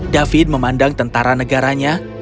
david memandang tentara negaranya